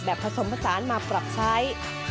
ผสมผสานมาปรับใช้